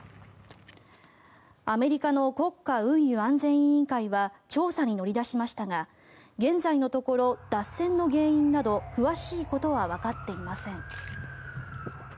アメリカの国家運輸安全委員会は調査に乗り出しましたが現在のところ脱線の原因など詳しいことはわかっていません。